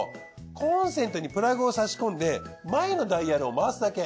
コンセントにプラグを差し込んで前のダイヤルを回すだけ。